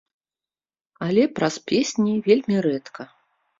Але праз песні вельмі рэдка.